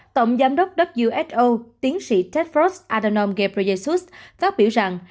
tổng giám đốc who tiến sĩ tedros adhanom ghebreyesus phát biểu rằng